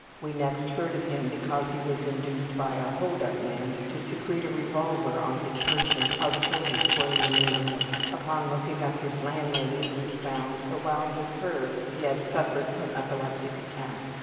We next heard of him because he was induced by a ``hold up'' man to secrete a revolver on his person while the police were in the neighborhood. Upon looking up his landlady, it was found that while with her he had suffered from epileptic attacks.